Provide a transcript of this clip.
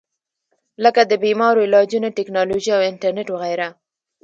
لکه د بيمارو علاجونه ، ټېکنالوجي او انټرنيټ وغېره